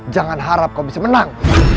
jangan harap kau bisa menang